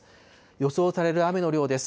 予想される雨の量です。